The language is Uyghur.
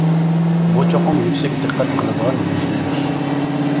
بۇ چوقۇم يۈكسەك دىققەت قىلىدىغان يۈزلىنىش.